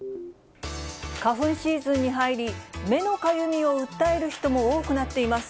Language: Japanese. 花粉シーズンに入り、目のかゆみを訴える人も多くなっています。